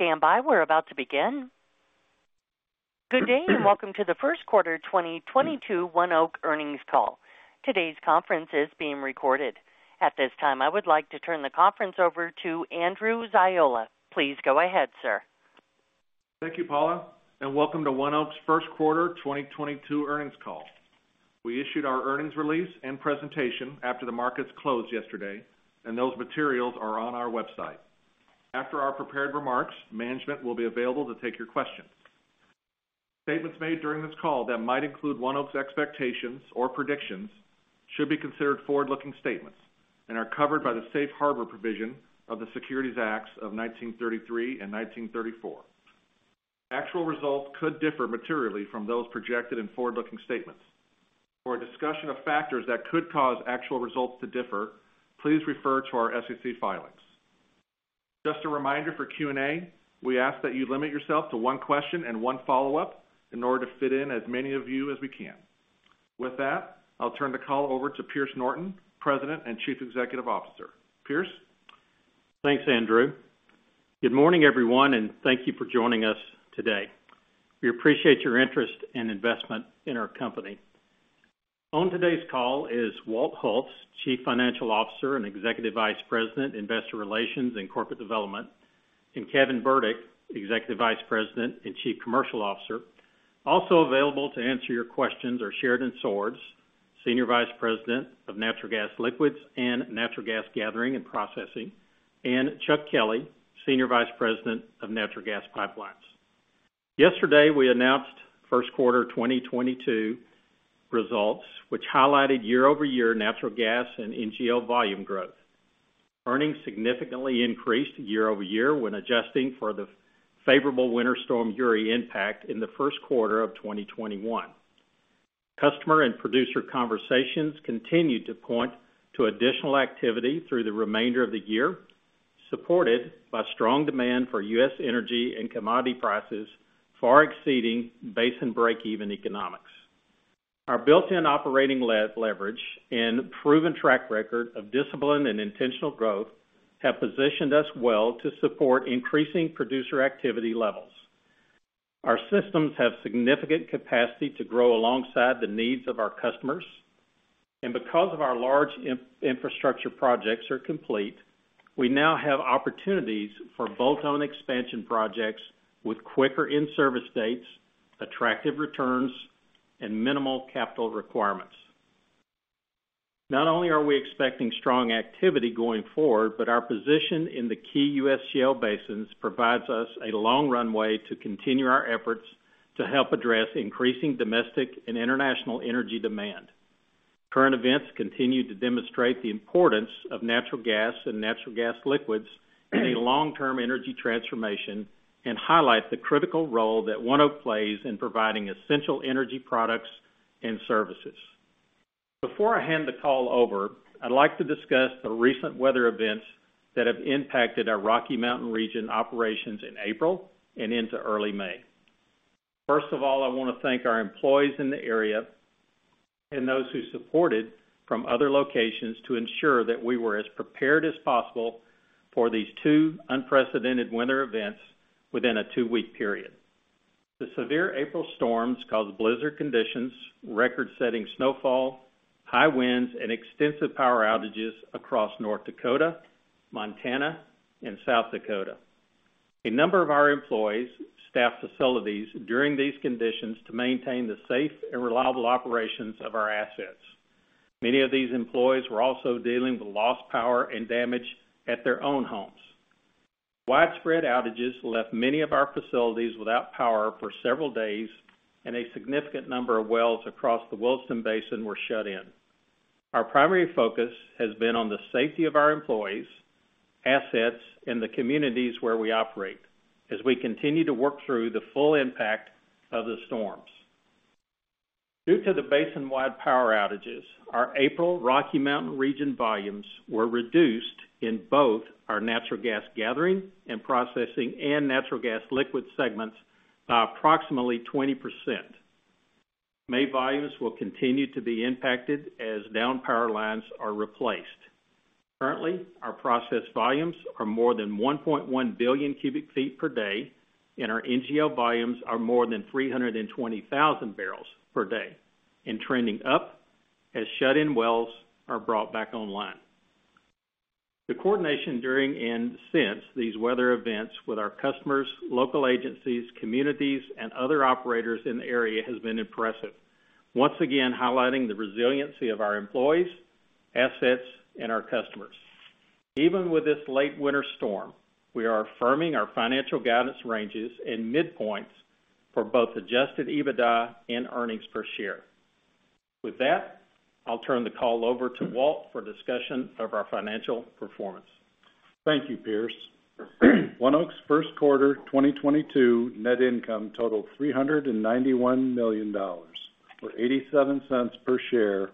Please stand by. We're about to begin. Good day, and welcome to the 1st quarter 2022 ONEOK earnings call. Today's conference is being recorded. At this time, I would like to turn the conference over to Andrew Ziola. Please go ahead, sir. Thank you, Paula, and welcome to ONEOK's 1st quarter 2022 earnings call. We issued our earnings release and presentation after the markets closed yesterday, and those materials are on our website. After our prepared remarks, management will be available to take your questions. Statements made during this call that might include ONEOK's expectations or predictions should be considered forward-looking statements and are covered by the safe harbor provision of the Securities Act of 1933 and the Securities Exchange Act of 1934. Actual results could differ materially from those projected in forward-looking statements. For a discussion of factors that could cause actual results to differ, please refer to our SEC filings. Just a reminder for Q&A, we ask that you limit yourself to one question and one follow-up in order to fit in as many of you as we can. With that, I'll turn the call over to Pierce Norton, President and Chief Executive Officer. Pierce? Thanks, Andrew. Good morning, everyone, and thank you for joining us today. We appreciate your interest and investment in our company. On today's call is Walter Hulse, Chief Financial Officer and Executive Vice President, Investor Relations and Corporate Development, and Kevin Burdick, Executive Vice President and Chief Commercial Officer. Also available to answer your questions are Sheridan Swords, Senior Vice President of Natural Gas Liquids and Natural Gas Gathering and Processing, and Chuck Kelly, Senior Vice President of Natural Gas Pipelines. Yesterday, we announced 1st quarter 2022 results, which highlighted year-over-year natural gas and NGL volume growth. Earnings significantly increased year-over-year when adjusting for the favorable Winter Storm Uri impact in the 1st quarter of 2021. Customer and producer conversations continued to point to additional activity through the remainder of the year, supported by strong demand for U.S. energy and commodity prices far exceeding basin break-even economics. Our built-in operating leverage and proven track record of discipline and intentional growth have positioned us well to support increasing producer activity levels. Our systems have significant capacity to grow alongside the needs of our customers. Because of our large infrastructure projects are complete, we now have opportunities for bolt-on expansion projects with quicker in-service dates, attractive returns, and minimal capital requirements. Not only are we expecting strong activity going forward, but our position in the key U.S. shale basins provides us a long runway to continue our efforts to help address increasing domestic and international energy demand. Current events continue to demonstrate the importance of natural gas and natural gas liquids in a long-term energy transformation and highlight the critical role that ONEOK plays in providing essential energy products and services. Before I hand the call over, I'd like to discuss the recent weather events that have impacted our Rocky Mountain region operations in April and into early May. First of all, I wanna thank our employees in the area and those who supported from other locations to ensure that we were as prepared as possible for these two unprecedented winter events within a 2 week period. The severe April storms caused blizzard conditions, record-setting snowfall, high winds, and extensive power outages across North Dakota, Montana, and South Dakota. A number of our employees staffed facilities during these conditions to maintain the safe and reliable operations of our assets. Many of these employees were also dealing with lost power and damage at their own homes. Widespread outages left many of our facilities without power for several days, and a significant number of wells across the Williston Basin were shut in. Our primary focus has been on the safety of our employees, assets, and the communities where we operate as we continue to work through the full impact of the storms. Due to the basin-wide power outages, our April Rocky Mountain region volumes were reduced in both our natural gas gathering and processing and natural gas liquids segments by approximately 20%. May volumes will continue to be impacted as down power lines are replaced. Currently, our processing volumes are more than 1.1 billion cubic feet per day, and our NGL volumes are more than 320,000 barrels per day and trending up as shut-in wells are brought back online. The coordination during and since these weather events with our customers, local agencies, communities, and other operators in the area has been impressive, once again highlighting the resiliency of our employees, assets, and our customers. Even with this late winter storm, we are affirming our financial guidance ranges and midpoints for both adjusted EBITDA and earnings per share. With that, I'll turn the call over to Walt for discussion of our financial performance. Thank you, Pierce. ONEOK's 1st quarter 2022 net income totaled $391 million, or $0.87 per share,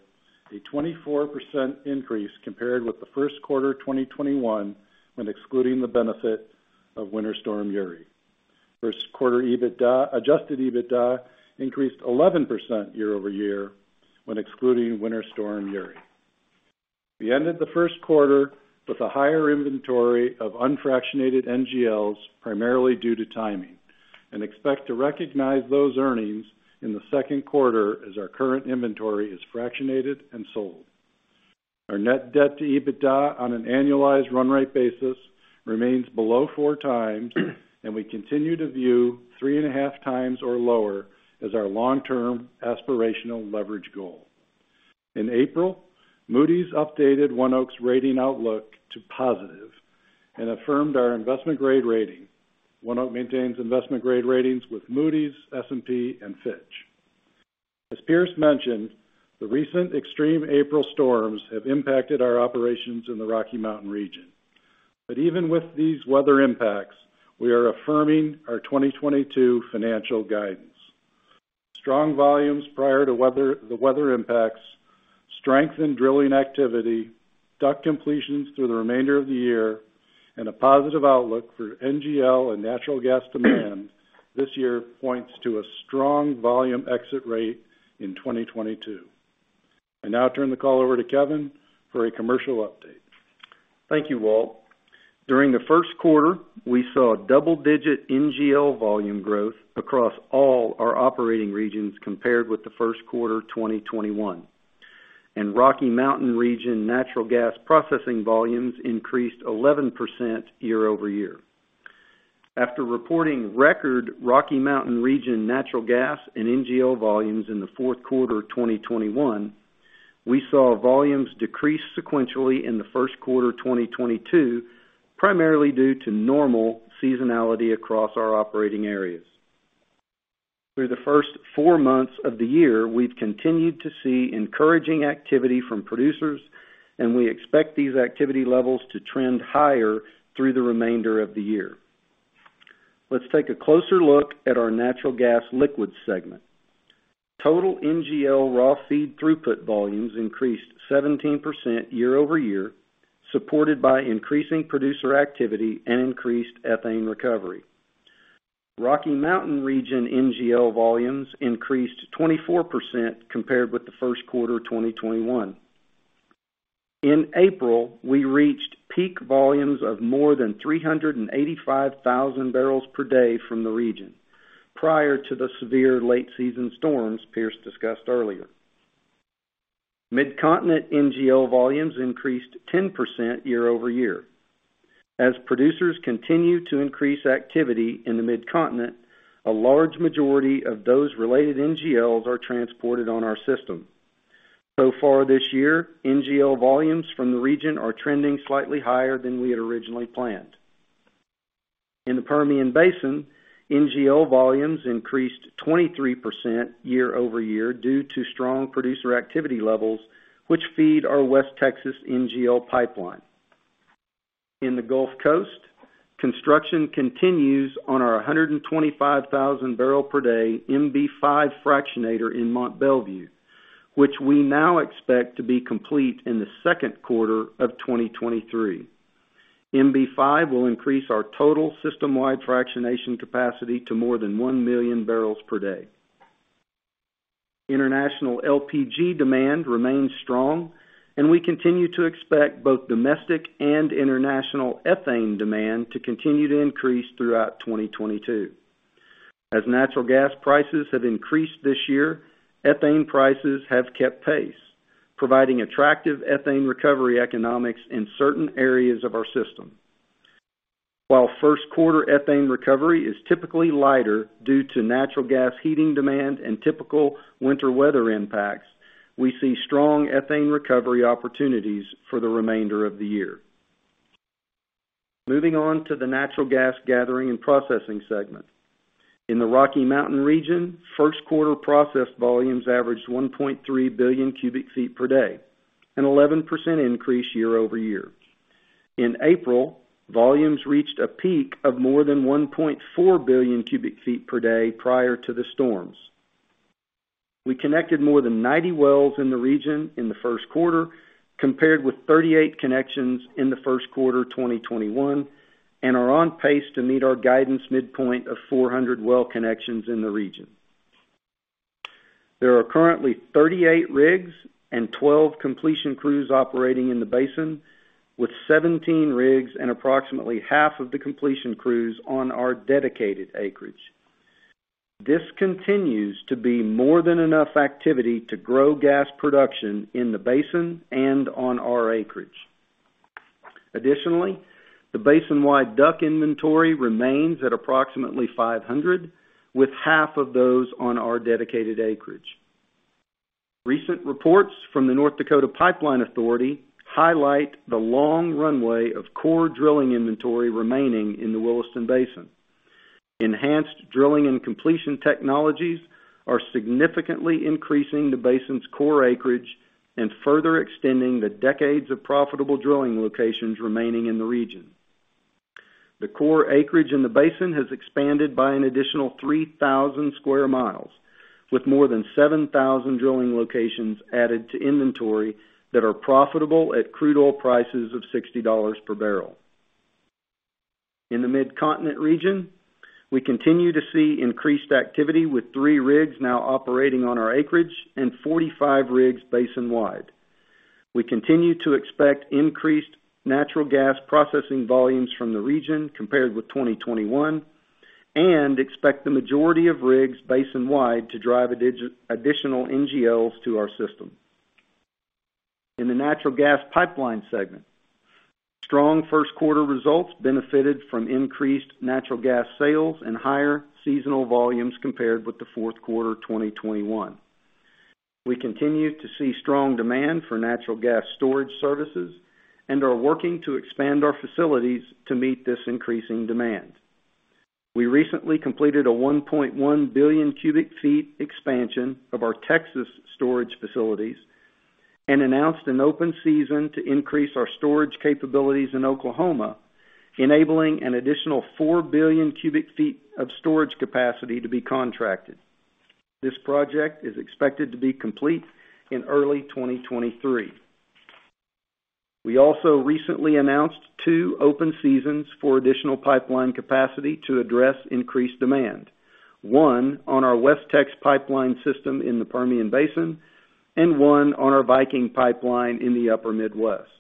a 24% increase compared with the 1st quarter 2021 when excluding the benefit of Winter Storm Uri. 1st quarter adjusted EBITDA increased 11% year-over-year when excluding Winter Storm Uri. We ended the 1st quarter with a higher inventory of unfractionated NGLs, primarily due to timing, and expect to recognize those earnings in the 2nd quarter as our current inventory is fractionated and sold. Our net debt to EBITDA on an annualized run rate basis remains below 4x, and we continue to view 3.5x or lower as our long-term aspirational leverage goal. In April, Moody's updated ONEOK's rating outlook to positive and affirmed our investment-grade rating. ONEOK maintains investment-grade ratings with Moody's, S&P, and Fitch. As Pierce mentioned, the recent extreme April storms have impacted our operations in the Rocky Mountain region. Even with these weather impacts, we are affirming our 2022 financial guidance. Strong volumes prior to weather, the weather impacts, strengthened drilling activity, DUC completions through the remainder of the year, and a positive outlook for NGL and natural gas demand this year points to a strong volume exit rate in 2022. I now turn the call over to Kevin for a commercial update. Thank you, Walt. During the 1st quarter, we saw a double-digit NGL volume growth across all our operating regions compared with the 1st quarter 2021. Rocky Mountain region natural gas processing volumes increased 11% year-over-year. After reporting record Rocky Mountain region natural gas and NGL volumes in the 4th quarter of 2021, we saw volumes decrease sequentially in the 1st quarter of 2022, primarily due to normal seasonality across our operating areas. Through the first 4 months of the year, we've continued to see encouraging activity from producers, and we expect these activity levels to trend higher through the remainder of the year. Let's take a closer look at our natural gas liquids segment. Total NGL raw feed throughput volumes increased 17% year-over-year, supported by increasing producer activity and increased ethane recovery. Rocky Mountain region NGL volumes increased 24% compared with the 1st quarter of 2021. In April, we reached peak volumes of more than 385,000 barrels per day from the region prior to the severe late-season storms Pierce discussed earlier. Mid-Continent NGL volumes increased 10% year-over-year. As producers continue to increase activity in the Mid-Continent, a large majority of those related NGLs are transported on our system. So far this year, NGL volumes from the region are trending slightly higher than we had originally planned. In the Permian Basin, NGL volumes increased 23% year-over-year due to strong producer activity levels, which feed our West Texas NGL Pipeline. In the Gulf Coast, construction continues on our 125,000 barrel per day MB-5 fractionator in Mont Belvieu, which we now expect to be complete in the 2nd quarter of 2023. MB-5 will increase our total system-wide fractionation capacity to more than 1 million barrels per day. International LPG demand remains strong, and we continue to expect both domestic and international ethane demand to continue to increase throughout 2022. As natural gas prices have increased this year, ethane prices have kept pace, providing attractive ethane recovery economics in certain areas of our system. While 1st quarter ethane recovery is typically lighter due to natural gas heating demand and typical winter weather impacts, we see strong ethane recovery opportunities for the remainder of the year. Moving on to the natural gas gathering and processing segment. In the Rocky Mountain region, 1st quarter processed volumes averaged 1.3 billion cubic feet per day, an 11% increase year-over-year. In April, volumes reached a peak of more than 1.4 billion cubic feet per day prior to the storms. We connected more than 90 wells in the region in the 1st quarter, compared with 38 connections in the 1st quarter of 2021, and are on pace to meet our guidance midpoint of 400 well connections in the region. There are currently 38 rigs and 12 completion crews operating in the basin, with 17 rigs and approximately half of the completion crews on our dedicated acreage. This continues to be more than enough activity to grow gas production in the basin and on our acreage. Additionally, the basin-wide DUC inventory remains at approximately 500, with half of those on our dedicated acreage. Recent reports from the North Dakota Pipeline Authority highlight the long runway of core drilling inventory remaining in the Williston Basin. Enhanced drilling and completion technologies are significantly increasing the basin's core acreage and further extending the decades of profitable drilling locations remaining in the region. The core acreage in the basin has expanded by an additional 3,000 sq mi, with more than 7,000 drilling locations added to inventory that are profitable at crude oil prices of $60 per barrel. In the Mid-Continent region, we continue to see increased activity with 3 rigs now operating on our acreage and 45 rigs basin-wide. We continue to expect increased natural gas processing volumes from the region compared with 2021, and expect the majority of rigs basin-wide to drive additional NGLs to our system. In the natural gas pipeline segment, strong 1st quarter results benefited from increased natural gas sales and higher seasonal volumes compared with the 4th quarter of 2021. We continue to see strong demand for natural gas storage services and are working to expand our facilities to meet this increasing demand. We recently completed a 1.1 billion cubic feet expansion of our Texas storage facilities and announced an open season to increase our storage capabilities in Oklahoma, enabling an additional 4 billion cubic feet of storage capacity to be contracted. This project is expected to be complete in early 2023. We also recently announced 2 open seasons for additional pipeline capacity to address increased demand. One on our WesTex pipeline system in the Permian Basin, and one on our Viking pipeline in the upper Midwest.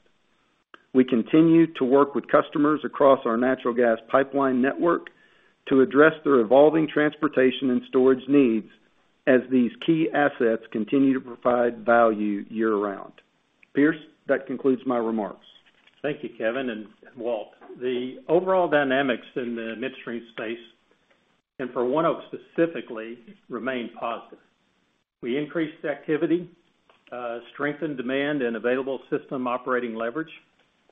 We continue to work with customers across our natural gas pipeline network to address their evolving transportation and storage needs as these key assets continue to provide value year round. Pierce, that concludes my remarks. Thank you, Kevin and Walt. The overall dynamics in the midstream space, and for ONEOK specifically, remain positive. We increased activity, strengthened demand and available system operating leverage.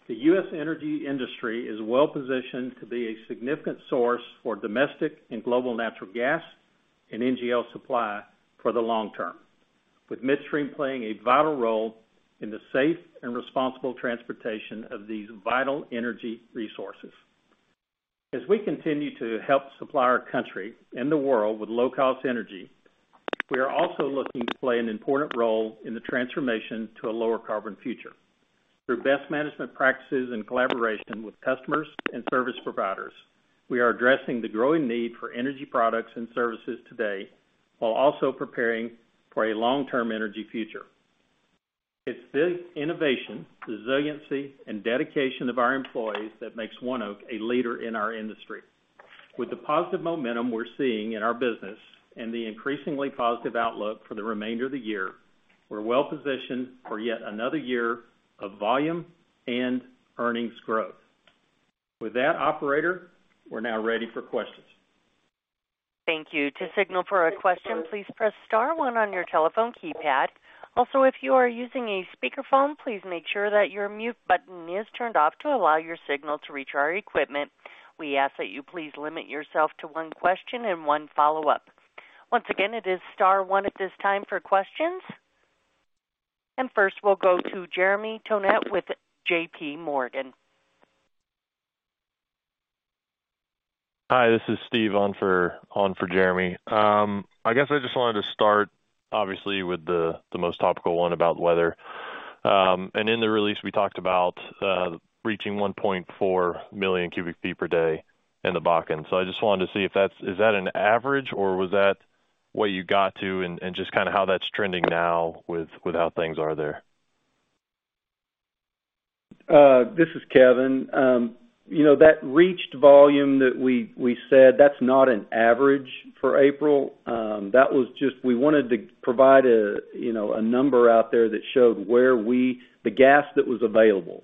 The U.S. energy industry is well-positioned to be a significant source for domestic and global natural gas and NGL supply for the long term, with midstream playing a vital role in the safe and responsible transportation of these vital energy resources. As we continue to help supply our country and the world with low-cost energy, we are also looking to play an important role in the transformation to a lower carbon future. Through best management practices and collaboration with customers and service providers, we are addressing the growing need for energy products and services today, while also preparing for a long-term energy future. It's the innovation, resiliency, and dedication of our employees that makes ONEOK a leader in our industry. With the positive momentum we're seeing in our business and the increasingly positive outlook for the remainder of the year, we're well positioned for yet another year of volume and earnings growth. With that, operator, we're now ready for questions. Thank you. To signal for a question, please press star 1 on your telephone keypad. Also, if you are using a speakerphone, please make sure that your mute button is turned off to allow your signal to reach our equipment. We ask that you please limit yourself to one question and one follow-up. Once again, it is star 1 at this time for questions. First, we'll go to Jeremy Tonet with JPMorgan. Hi, this is Steve on for Jeremy. I guess I just wanted to start, obviously with the most topical one about weather. In the release we talked about reaching 1.4 million cubic feet per day in the Bakken. I just wanted to see if that's, is that an average or was that what you got to, and just kinda how that's trending now with how things are there? This is Kevin. You know, that record volume that we said, that's not an average for April. That was just, we wanted to provide, you know, a number out there that showed where the gas that was available.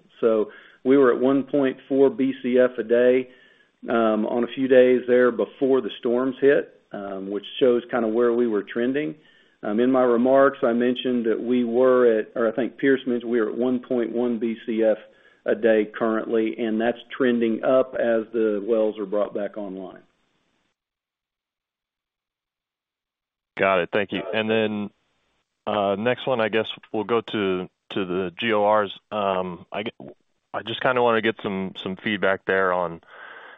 We were at 1.4 BCF a day on a few days there before the storms hit, which shows kind of where we were trending. In my remarks, I mentioned that we were at, or I think Pierce mentioned we are at 1.1 BCF a day currently, and that's trending up as the wells are brought back online. Got it. Thank you. Next one, I guess we'll go to the GORs. I just kinda wanna get some feedback there on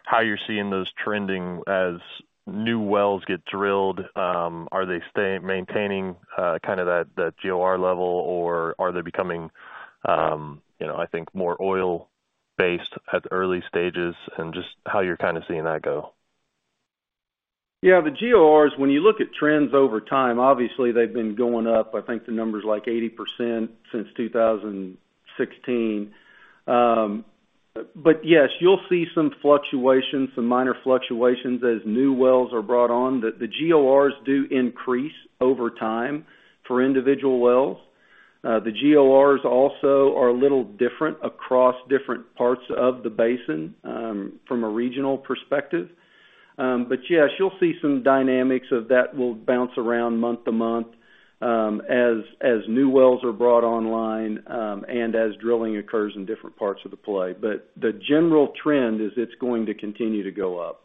how you're seeing those trending as new wells get drilled. Are they maintaining kind of that GOR level, or are they becoming, you know, I think, more oil-based at the early stages and just how you're kind of seeing that go. Yeah, the GORs, when you look at trends over time, obviously they've been going up. I think the number's like 80% since 2016. Yes, you'll see some fluctuations, some minor fluctuations as new wells are brought on, that the GORs do increase over time for individual wells. The GORs also are a little different across different parts of the basin, from a regional perspective. Yes, you'll see some dynamics of that will bounce around month to month, as new wells are brought online, and as drilling occurs in different parts of the play. The general trend is it's going to continue to go up.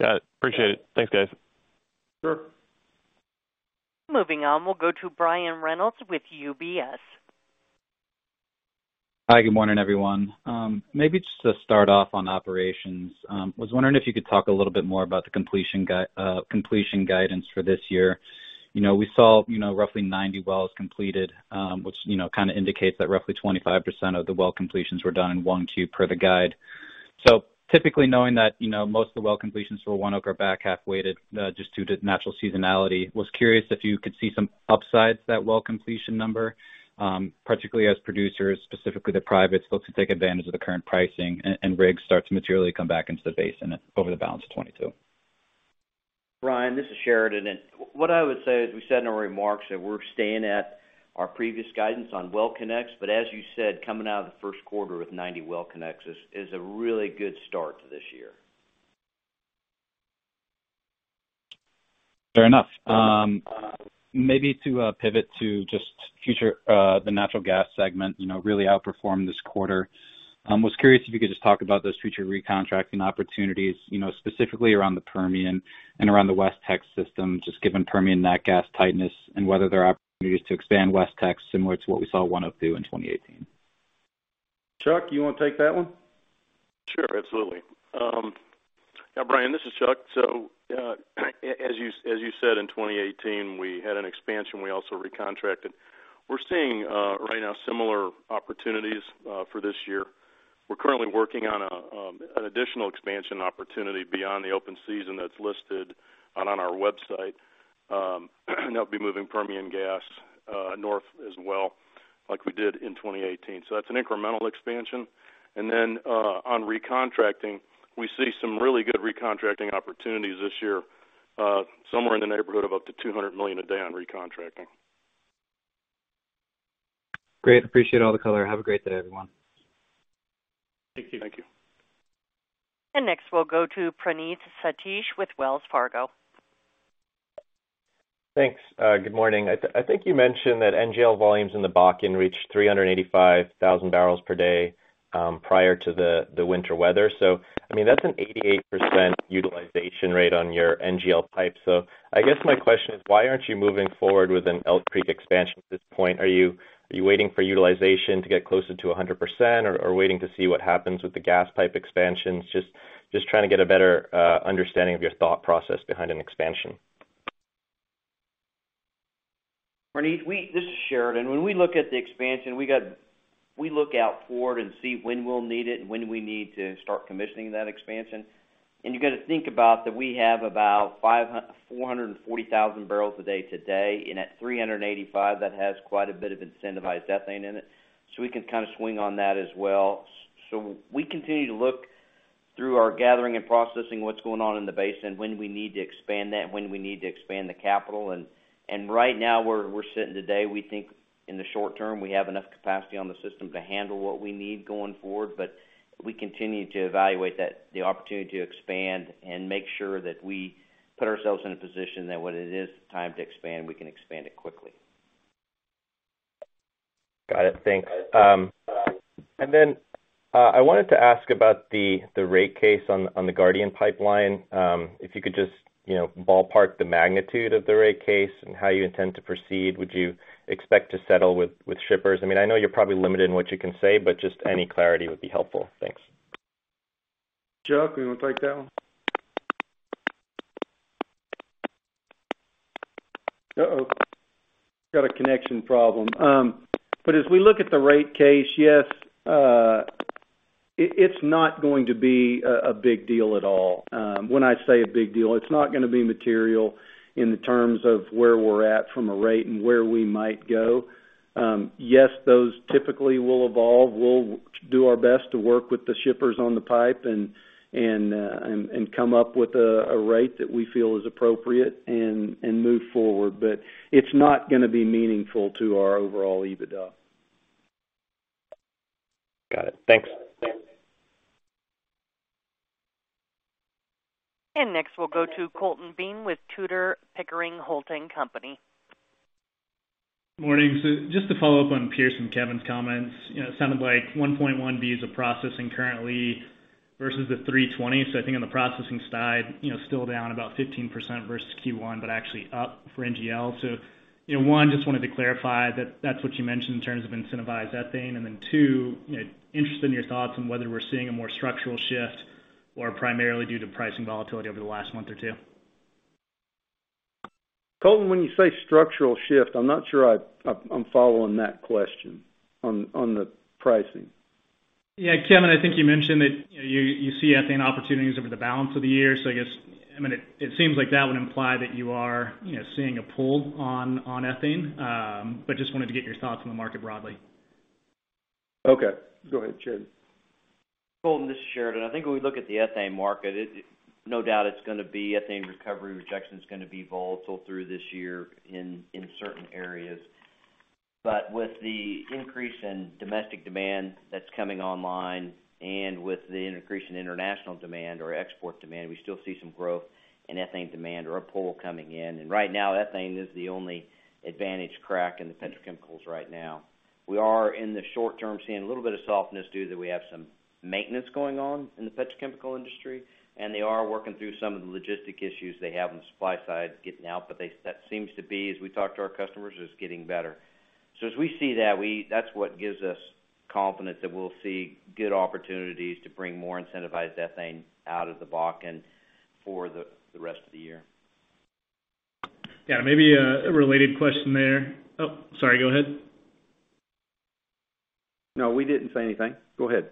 Got it. Appreciate it. Thanks, guys. Sure. Moving on, we'll go to Brian Reynolds with UBS. Hi, good morning, everyone. Maybe just to start off on operations. Was wondering if you could talk a little bit more about the completion guidance for this year. You know, we saw, you know, roughly 90 wells completed, which, you know, kind of indicates that roughly 25% of the well completions were done in 1Q per the guide. Typically knowing that, you know, most of the well completions for ONEOK are back half-weighted, just due to natural seasonality. Was curious if you could see some upsides to that well completion number, particularly as producers, specifically the private, look to take advantage of the current pricing and rigs start to materially come back into the basin over the balance of 2022. Brian, this is Sheridan. What I would say is we said in our remarks that we're staying at our previous guidance on well connects. As you said, coming out of the 1st quarter with 90 well connects is a really good start to this year. Fair enough. Maybe to pivot to just future the natural gas segment, you know, really outperformed this quarter. Was curious if you could just talk about those future recontracting opportunities, you know, specifically around the Permian and around the WesTex system, just given Permian net gas tightness and whether there are opportunities to expand WesTex similar to what we saw ONEOK do in 2018. Chuck, you wanna take that one? Sure. Absolutely. Brian, this is Chuck. As you said, in 2018, we had an expansion. We also recontracted. We're seeing right now similar opportunities for this year. We're currently working on an additional expansion opportunity beyond the open season that's listed on our website. And that'll be moving Permian gas north as well, like we did in 2018. That's an incremental expansion. On recontracting, we see some really good recontracting opportunities this year, somewhere in the neighborhood of up to 200 million a day on recontracting. Great. Appreciate all the color. Have a great day, everyone. Thank you. Thank you. Next, we'll go to Praneeth Satish with Wells Fargo. Thanks. Good morning. I think you mentioned that NGL volumes in the Bakken reached 385,000 barrels per day prior to the winter weather. I mean, that's an 88% utilization rate on your NGL pipe. I guess my question is, why aren't you moving forward with an Elk Creek expansion at this point? Are you waiting for utilization to get closer to 100% or waiting to see what happens with the gas pipe expansions? Just trying to get a better understanding of your thought process behind an expansion. Praneeth, this is Sheridan. When we look at the expansion, we look forward and see when we'll need it and when we need to start commissioning that expansion. You've got to think about that we have about 440,000 barrels a day today, and at 385, that has quite a bit of incentivized ethane in it. We can kind of swing on that as well. We continue to look through our gathering and processing, what's going on in the basin, when we need to expand that and when we need to expand the capacity. Right now we're saying today, we think in the short term, we have enough capacity on the system to handle what we need going forward. We continue to evaluate that, the opportunity to expand and make sure that we put ourselves in a position that when it is time to expand, we can expand it quickly. Got it. Thanks. I wanted to ask about the rate case on the Guardian Pipeline. If you could just, you know, ballpark the magnitude of the rate case and how you intend to proceed. Would you expect to settle with shippers? I mean, I know you're probably limited in what you can say, but just any clarity would be helpful. Thanks. Chuck, you wanna take that one? As we look at the rate case, yes, it's not going to be a big deal at all. When I say a big deal, it's not gonna be material in terms of where we're at from a rate and where we might go. Yes, those typically will evolve. We'll do our best to work with the shippers on the pipe and come up with a rate that we feel is appropriate and move forward. It's not gonna be meaningful to our overall EBITDA. Got it. Thanks. Next, we'll go to Colton Bean with Tudor, Pickering, Holt & Co. Morning. Just to follow up on Pierce and Kevin's comments. You know, it sounded like 1.1 B is a processing currently versus the 320. I think on the processing side, you know, still down about 15% versus Q1, but actually up for NGL. One, just wanted to clarify that that's what you mentioned in terms of incentivized ethane. Then 2, you know, interested in your thoughts on whether we're seeing a more structural shift or primarily due to pricing volatility over the last month or 2. Colton, when you say structural shift, I'm not sure I'm following that question on the pricing. Yeah. Kevin, I think you mentioned that, you know, you see ethane opportunities over the balance of the year. I guess, I mean, it seems like that would imply that you are, you know, seeing a pull on ethane. Just wanted to get your thoughts on the market broadly. Okay, go ahead, Sheridan. Colton, this is Sheridan. I think when we look at the ethane market, no doubt it's gonna be ethane recovery rejection's gonna be volatile through this year in certain areas. With the increase in domestic demand that's coming online and with the increase in international demand or export demand, we still see some growth in ethane demand or a pull coming in. Right now, ethane is the only advantaged crack in the petrochemicals right now. We are in the short term seeing a little bit of softness due to we have some maintenance going on in the petrochemical industry, and they are working through some of the logistical issues they have on the supply side getting out. That seems to be, as we talk to our customers, is getting better. As we see that's what gives us confidence that we'll see good opportunities to bring more incentivized ethane out of the Bakken for the rest of the year. Yeah, maybe a related question there. Oh, sorry, go ahead. No, we didn't say anything. Go ahead.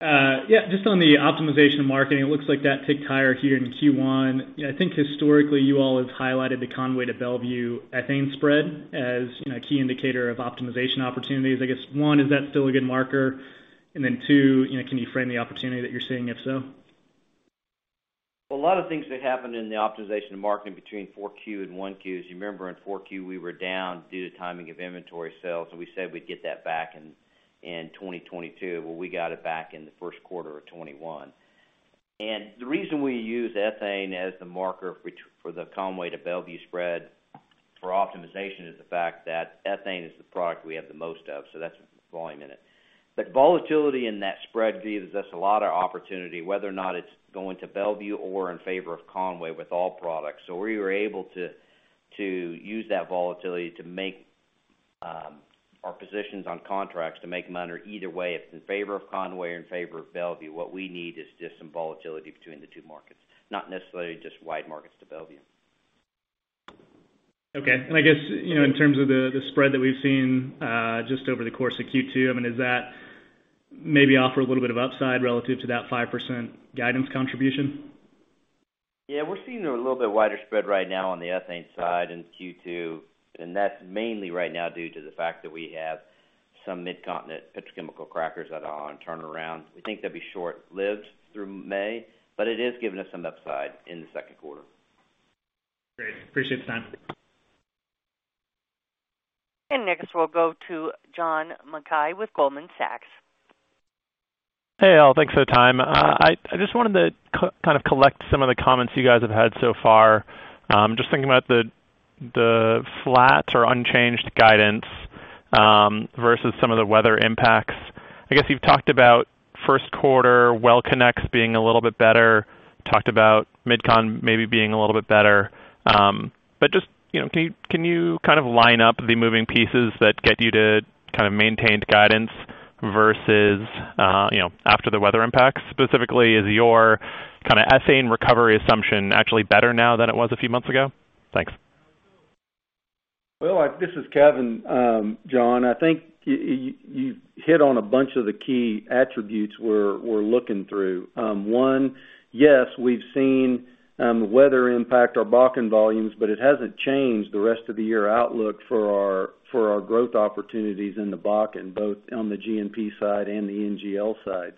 Yeah, just on the optimization of marketing, it looks like that ticked higher here in Q1. I think historically, you all have highlighted the Conway to Mont Belvieu ethane spread as, you know, a key indicator of optimization opportunities. I guess, one, is that still a good marker? Then two, you know, can you frame the opportunity that you're seeing if so? A lot of things that happened in the optimization of marketing between 4Q and 1Q. As you remember, in 4Q, we were down due to timing of inventory sales, and we said we'd get that back in 2022. Well, we got it back in the 1st quarter of 2021. The reason we use ethane as the marker for the Conway to Mont Belvieu spread for optimization is the fact that ethane is the product we have the most of, so that's volume in it. Volatility in that spread gives us a lot of opportunity, whether or not it's going to Mont Belvieu or in favor of Conway with all products. We were able to use that volatility to make our positions on contracts to make money either way. If it's in favor of Conway or in favor of Mont Belvieu, what we need is just some volatility between the two markets, not necessarily just wide markets to Mont Belvieu. Okay. I guess, you know, in terms of the spread that we've seen just over the course of Q2, I mean, does that maybe offer a little bit of upside relative to that 5% guidance contribution? Yeah, we're seeing a little bit wider spread right now on the ethane side in Q2, and that's mainly right now due to the fact that we have some Mid-Continent petrochemical crackers that are on turnaround. We think they'll be short-lived through May, but it is giving us some upside in the 2nd quarter. Great. Appreciate the time. Next, we'll go to John Mackay with Goldman Sachs. Hey, Al, thanks for the time. I just wanted to kind of collect some of the comments you guys have had so far. Just thinking about the flat or unchanged guidance versus some of the weather impacts. I guess you've talked about 1st quarter Well Connects being a little bit better. Talked about MidCon maybe being a little bit better. But just, you know, can you kind of line up the moving pieces that get you to kind of maintain the guidance versus, you know, after the weather impact? Specifically, is your kind of ethane recovery assumption actually better now than it was a few months ago? Thanks. Well, this is Kevin. John, I think you hit on a bunch of the key attributes we're looking through. One, yes, we've seen weather impact our Bakken volumes, but it hasn't changed the rest of the year outlook for our growth opportunities in the Bakken, both on the G&P side and the NGL side.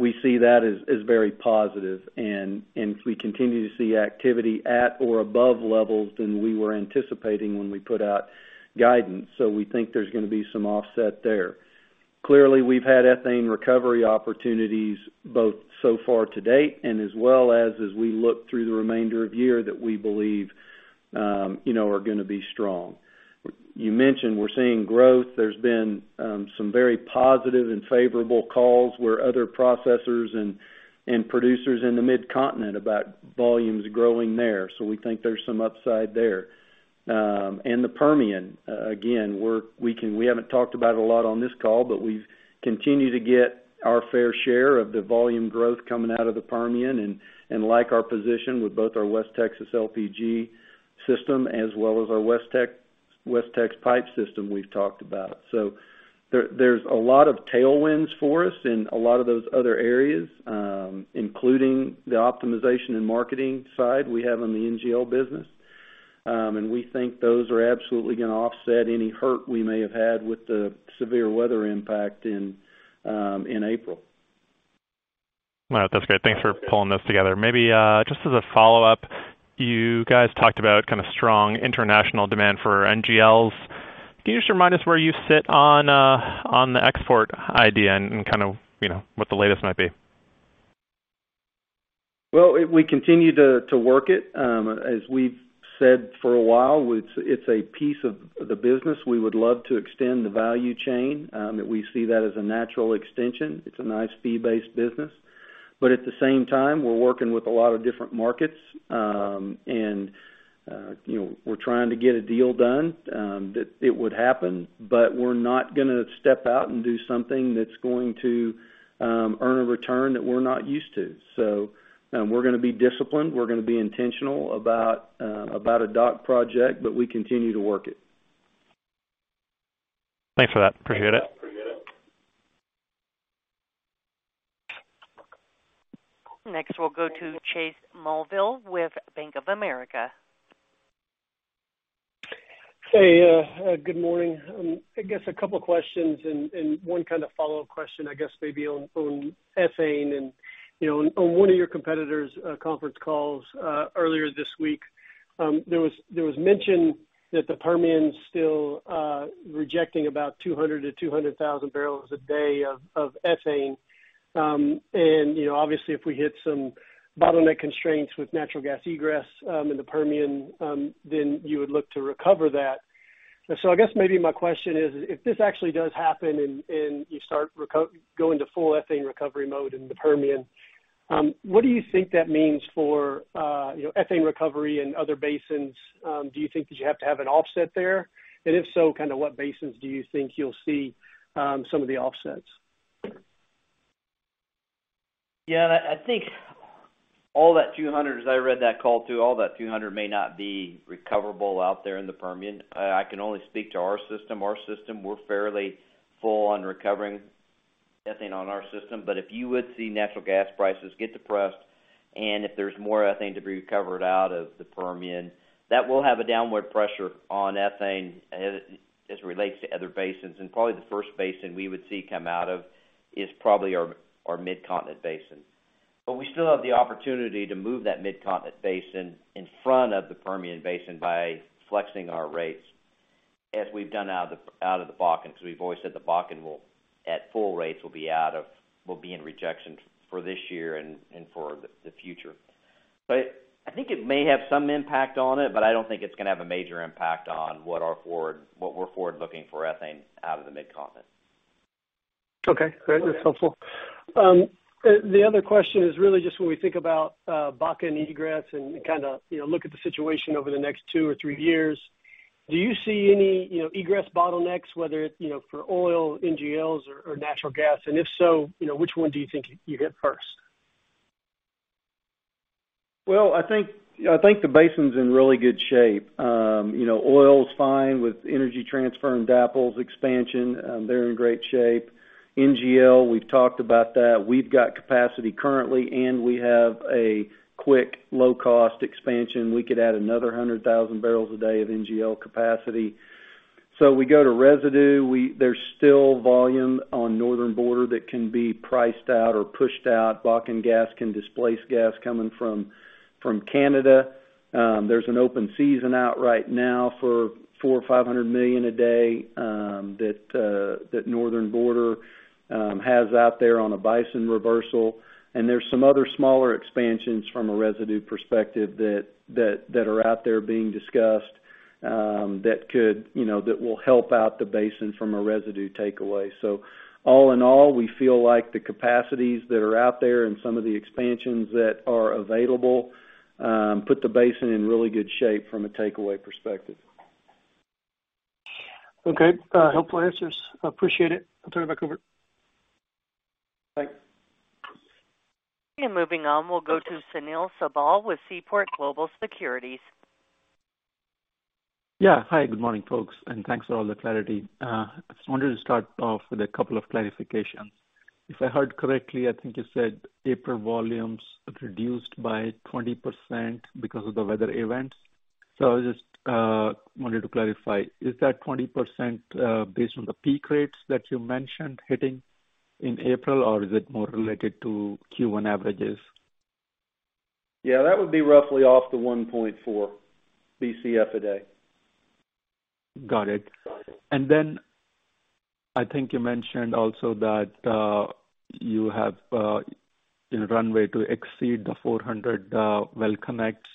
We see that as very positive, and we continue to see activity at or above levels than we were anticipating when we put out guidance. We think there's gonna be some offset there. Clearly, we've had ethane recovery opportunities both so far to date and as well as we look through the remainder of the year that we believe you know are gonna be strong. You mentioned we're seeing growth. There's been some very positive and favorable calls where other processors and producers in the Mid-Continent about volumes growing there. We think there's some upside there. The Permian, again, we haven't talked about it a lot on this call, but we've continued to get our fair share of the volume growth coming out of the Permian and like our position with both our West Texas LPG Pipeline as well as our West Texas pipe system we've talked about. There's a lot of tailwinds for us in a lot of those other areas, including the optimization and marketing side we have on the NGL business. We think those are absolutely gonna offset any hurt we may have had with the severe weather impact in April. All right. That's great. Thanks for pulling this together. Maybe, just as a follow-up, you guys talked about kind of strong international demand for NGLs. Can you just remind us where you sit on the export idea and kind of, you know, what the latest might be? Well, we continue to work it. As we've said for a while, it's a piece of the business. We would love to extend the value chain that we see as a natural extension. It's a nice fee-based business. At the same time, we're working with a lot of different markets. You know, we're trying to get a deal done that would happen, but we're not gonna step out and do something that's going to earn a return that we're not used to. We're gonna be disciplined. We're gonna be intentional about a Dakota project, but we continue to work it. Thanks for that. Appreciate it. Next, we'll go to Chase Mulvehill with Bank of America. Hey, good morning. I guess a couple questions and one kind of follow-up question, I guess, maybe on ethane and, you know, on one of your competitors conference calls earlier this week, there was mention that the Permian's still rejecting about 200,000 barrels a day of ethane. You know, obviously, if we hit some bottleneck constraints with natural gas egress in the Permian, then you would look to recover that. I guess maybe my question is, if this actually does happen and you start going to full ethane recovery mode in the Permian. What do you think that means for, you know, ethane recovery in other basins? Do you think that you have to have an offset there? If so, kind of what basins do you think you'll see, some of the offsets? Yeah, I think all that 200, as I read that call too, may not be recoverable out there in the Permian. I can only speak to our system. Our system, we're fairly full on recovering ethane on our system. But if you would see natural gas prices get depressed, and if there's more ethane to be recovered out of the Permian, that will have a downward pressure on ethane as it relates to other basins. Probably the first basin we would see come out of is probably our Mid-Continent basin. We still have the opportunity to move that Mid-Continent basin in front of the Permian Basin by flexing our rates as we've done out of the Bakken, because we've always said the Bakken will, at full rates, will be in rejection for this year and for the future. I think it may have some impact on it, but I don't think it's gonna have a major impact on what we're forward-looking for ethane out of the Mid-Continent. Okay. Great. That's helpful. The other question is really just when we think about Bakken egress and kind of, you know, look at the situation over the next 2 or 3 years, do you see any, you know, egress bottlenecks, whether it's, you know, for oil, NGLs or natural gas? And if so, you know, which one do you think you get first? Well, I think the basin's in really good shape. You know, oil's fine with Energy Transfer and Dakota Access Pipeline expansion. They're in great shape. NGL, we've talked about that. We've got capacity currently, and we have a quick low-cost expansion. We could add another 100,000 barrels a day of NGL capacity. We go to residue. There's still volume on Northern Border that can be priced out or pushed out. Bakken Gas can displace gas coming from Canada. There's an open season out right now for 400 or 500 million a day, that Northern Border has out there on a Bison reversal. There's some other smaller expansions from a residue perspective that are out there being discussed, that could, you know, that will help out the basin from a residue takeaway. All in all, we feel like the capacities that are out there and some of the expansions that are available put the basin in really good shape from a takeaway perspective. Okay. Helpful answers. Appreciate it. I'll turn it back over. Thanks. Moving on, we'll go to Sunil Sibal with Seaport Global Securities. Yeah. Hi, good morning, folks, and thanks for all the clarity. Just wanted to start off with a couple of clarifications. If I heard correctly, I think you said April volumes reduced by 20% because of the weather events. I just wanted to clarify, is that 20%, based on the peak rates that you mentioned hitting in April, or is it more related to Q1 averages? Yeah, that would be roughly off the 1.4 BCF a day. Got it. Got it. I think you mentioned also that you have, you know, runway to exceed the 400 well connects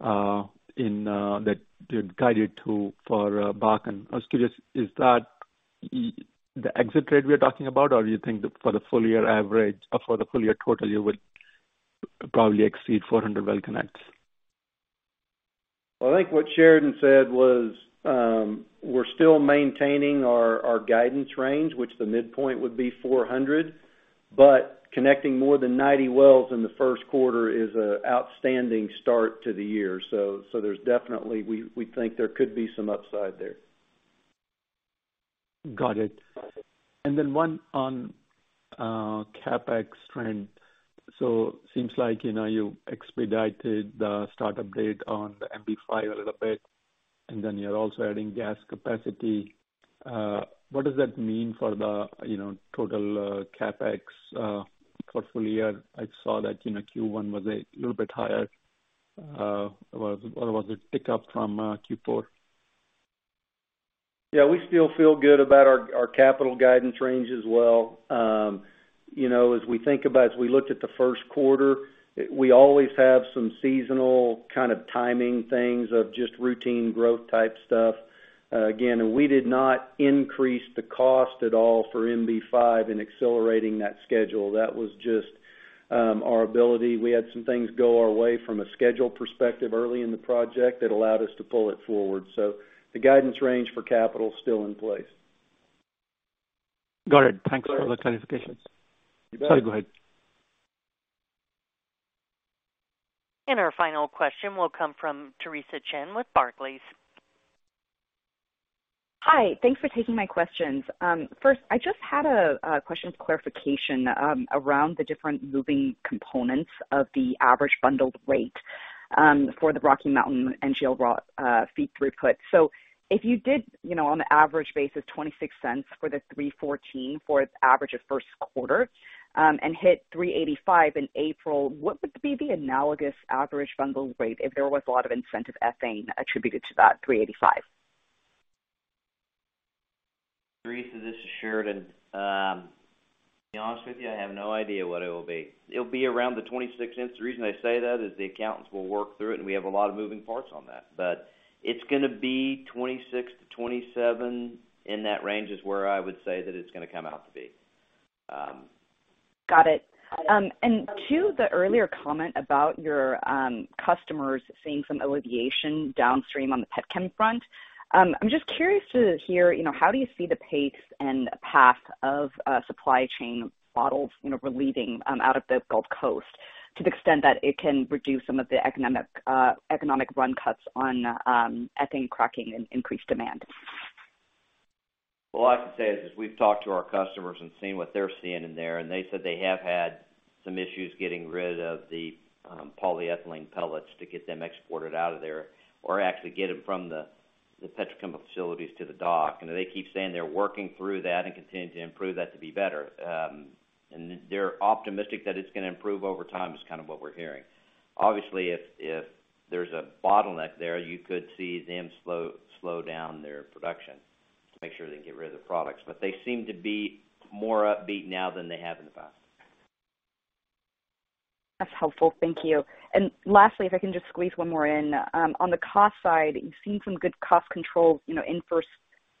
in that you'd guided to for Bakken. I was curious, is that the exit rate we are talking about? Or you think that for the full year average or for the full year total, you would probably exceed 400 well connects? Well, I think what Sheridan said was, we're still maintaining our guidance range, which the midpoint would be 400, but connecting more than 90 wells in the 1st quarter is an outstanding start to the year. There's definitely we think there could be some upside there. Got it. Then one on CapEx trend. Seems like, you know, you expedited the start-up date on the MB-5 a little bit, and then you're also adding gas capacity. What does that mean for the, you know, total CapEx for full year? I saw that, you know, Q1 was a little bit higher, or was it pick up from Q4? Yeah, we still feel good about our capital guidance range as well. You know, as we think about, as we looked at the 1st quarter, we always have some seasonal kind of timing things of just routine growth type stuff. Again, we did not increase the cost at all for MB-5 in accelerating that schedule. That was just our ability. We had some things go our way from a schedule perspective early in the project that allowed us to pull it forward. The guidance range for capital is still in place. Got it. Thanks for the clarification. You bet. Sorry, go ahead. Our final question will come from Theresa Chen with Barclays. Hi. Thanks for taking my questions. First, I just had a question for clarification around the different moving components of the average bundled rate for the Rocky Mountain NGL raw feed throughput. If you did, you know, on an average basis, $0.26 for the $3.14 for its average of 1st quarter, and hit $3.85 in April, what would be the analogous average bundled rate if there was a lot of incentive ethane attributed to that $3.85? Theresa, this is Sheridan. To be honest with you, I have no idea what it will be. It'll be around $0.26. The reason I say that is the accountants will work through it, and we have a lot of moving parts on that. It's gonna be $0.26-$0.27. In that range is where I would say that it's gonna come out to be. Got it. To the earlier comment about your customers seeing some alleviation downstream on the petchem front, I'm just curious to hear, you know, how do you see the pace and path of supply chain bottlenecks, you know, relieving out of the Gulf Coast to the extent that it can reduce some of the economic run cuts on ethane cracking and increased demand? Well, all I can say is we've talked to our customers and seen what they're seeing in there, and they said they have had some issues getting rid of the polyethylene pellets to get them exported out of there or actually get them from the petrochemical facilities to the dock. You know, they keep saying they're working through that and continuing to improve that to be better. They're optimistic that it's gonna improve over time, is kind of what we're hearing. Obviously, if there's a bottleneck there, you could see them slow down their production to make sure they can get rid of the products. They seem to be more upbeat now than they have in the past. That's helpful. Thank you. Lastly, if I can just squeeze one more in. On the cost side, you've seen some good cost control, you know, in 1st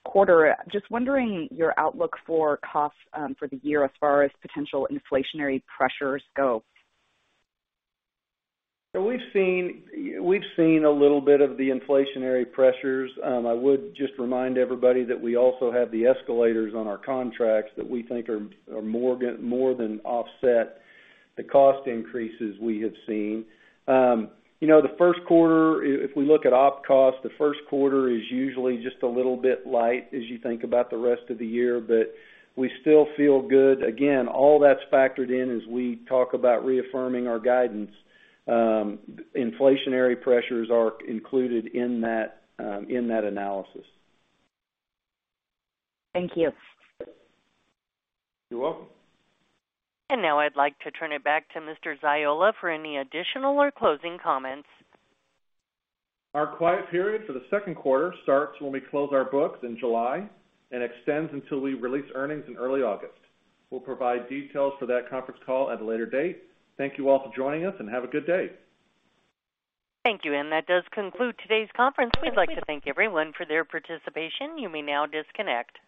quarter. Just wondering your outlook for costs, for the year as far as potential inflationary pressures go? We've seen a little bit of the inflationary pressures. I would just remind everybody that we also have the escalators on our contracts that we think are more than offset the cost increases we have seen. You know, the 1st quarter, if we look at OpEx, the 1st quarter is usually just a little bit light as you think about the rest of the year, but we still feel good. Again, all that's factored in as we talk about reaffirming our guidance. Inflationary pressures are included in that analysis. Thank you. You're welcome. Now I'd like to turn it back to Mr. Ziola for any additional or closing comments. Our quiet period for the 2nd quarter starts when we close our books in July and extends until we release earnings in early August. We'll provide details for that conference call at a later date. Thank you all for joining us, and have a good day. Thank you. That does conclude today's conference. We'd like to thank everyone for their participation. You may now disconnect.